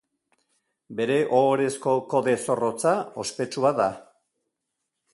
Bere ohorezko kode zorrotza ospetsua da.